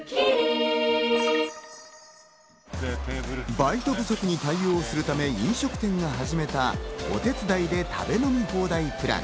バイト不足に対応するため飲食店が始めた、お手伝いで食べ飲み放題プラン。